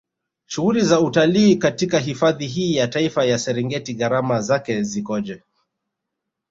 Shughuli za utalii katika hifadhi hii ya Taifa ya Serengeti Gharama zake zikoje